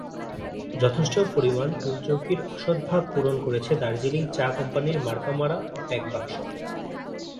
যথেষ্ট পরিমাণ টুলচৌকির অসদ্ভাব পূরণ করেছে দার্জিলিং চা কোম্পানির মার্কা-মারা প্যাকবাক্স।